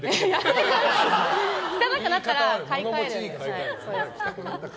汚くなったら買い替えるんですけど。